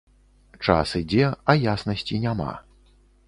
Час ідзе, а яснасці няма.